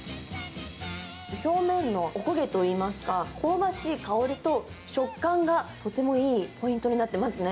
表面のお焦げといいますか、香ばしい香りと、食感がとてもいいポイントになってますね。